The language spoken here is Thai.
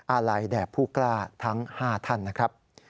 อาลัยแด่ผู้กล้าทั้ง๕ท่านนะครับ